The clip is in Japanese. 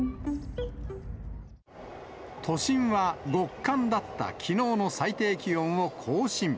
都心は極寒だったきのうの最低気温を更新。